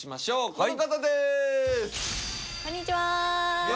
こんにちは！